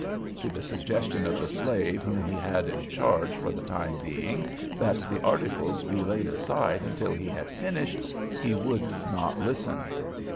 To the suggestion of the slave whom he had in charge for the time being that the articles be laid aside until he had finished, he would not listen.